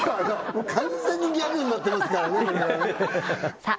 もう完全にギャグになってますからねさあ